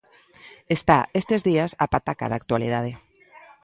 Está estes días a pataca de actualidade.